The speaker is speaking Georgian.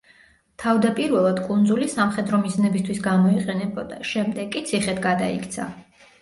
თავდაპირველად კუნძული სამხედრო მიზნებისთვის გამოიყენებოდა, შემდეგ კი ციხედ გადაიქცა.